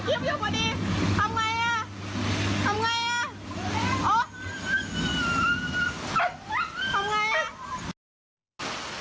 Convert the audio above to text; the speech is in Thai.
ทำไมโอ้โฮ